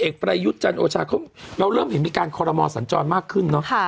แอกประยุจจันทร์โอชาคมเราเริ่มเห็นมีการคอลโลโมสันจรมากขึ้นเนอะ